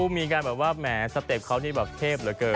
มีการแบบว่าแหมสเต็ปเขานี่แบบเทพเหลือเกิน